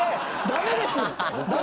ダメです！